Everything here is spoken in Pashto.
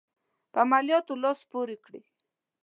په عملیاتو لاس پوري کړي.